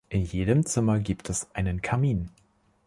In jedem Zimmer gibt es einen Kamin.